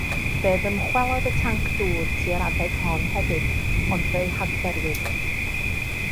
Fe ddymchwelodd y tanc dŵr tua'r adeg hon hefyd ond fe'i hadferwyd.